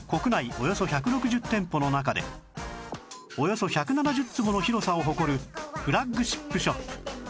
およそ１６０店舗の中でおよそ１７０坪の広さを誇るフラッグシップショップ